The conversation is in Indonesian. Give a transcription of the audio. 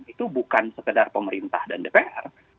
itu bukan sekedar pemerintah dan dpr